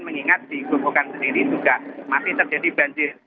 mengingat di gelopokan sendiri juga masih terjadi banjir